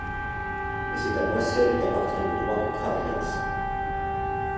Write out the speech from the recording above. Mais c’est à moi seul qu’appartient le droit de travailler ainsi.